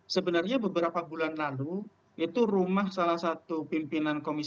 sebenarnya beberapa bulan lalu itu rumah salah satu pimpinan komisi